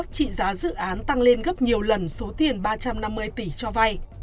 trị giá dự án tăng lên gấp nhiều lần số tiền ba trăm năm mươi tỷ cho vay